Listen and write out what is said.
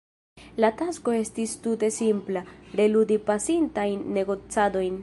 La tasko estis tute simpla: reludi pasintajn negocadojn.